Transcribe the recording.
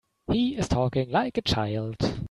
He's talking like a child.